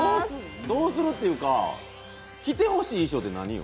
どうするっていうか、着てほしい衣装って何よ？